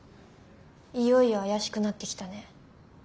いよいよ怪しくなってきたね。